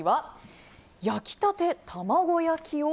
焼きたて卵焼きを。